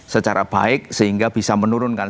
secara baik sehingga bisa menurunkan